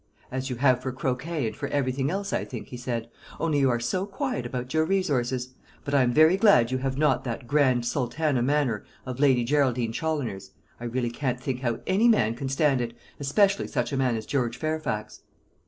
"As you have for croquet and for everything else, I think," he said; "only you are so quiet about your resources. But I am very glad you have not that grand sultana manner of Lady Geraldine Challoner's. I really can't think how any man can stand it, especially such a man as George Fairfax."